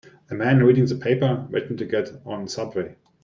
A man reading the paper waiting to get on subway.